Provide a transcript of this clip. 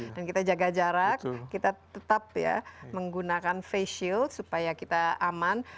dan kita jaga jarak kita tetap ya menggunakan face shield supaya kita aman